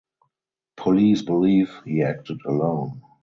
Police believe he acted alone.